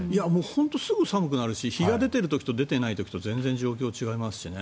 本当にすぐ寒くなるし日が出ている時と出ていない時と全然状況が違いますしね。